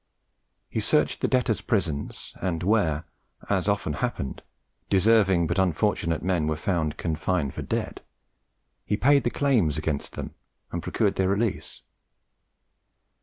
He searched the debtors' prisons, and where, as often happened, deserving but unfortunate men were found confined for debt, he paid the claims against them and procured their release.